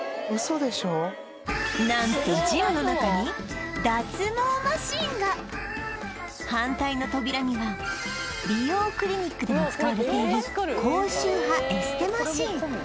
何と反対の扉には美容クリニックでも使われている高周波エステマシン